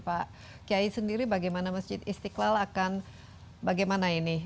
pak kiai sendiri bagaimana masjid istiqlal akan bagaimana ini